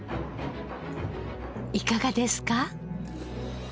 いかがですか？